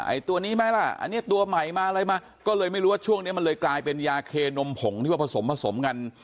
ตัวนี้ไหมล่ะอันนี้ตัวใหม่มาอะไรมาก็เลยไม่รู้ว่าช่วงนี้มันเลยกลายเป็นยาเคนมผงที่ว่าผสมผสมกัน